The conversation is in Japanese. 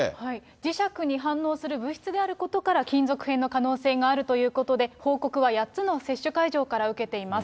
磁石に反応する物質であることから、金属片の可能性があるということで、報告は８つの接種会場から受けています。